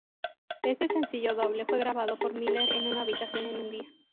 Este sencillo doble fue grabado por Miller en una habitación en un día.